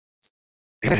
তাই আমি এখানে এসেছি।